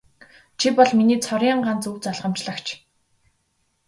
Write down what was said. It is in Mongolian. Чи бол миний цорын ганц өв залгамжлагч.